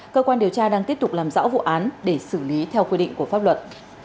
cơ quan điều tra đang tiếp tục làm rõ vụ án để xử lý theo quy định của pháp luật